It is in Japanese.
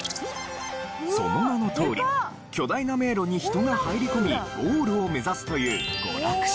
その名のとおり巨大な迷路に人が入り込みゴールを目指すという娯楽施設。